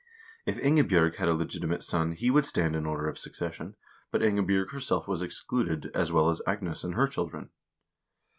If Ingebj0rg had a legitimate son he would stand in order of succession, but Ingebj0rg herself was excluded, as well as Agnes and her children.